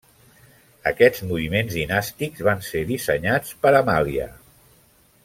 Aquests moviments dinàstics van ser dissenyats per Amàlia.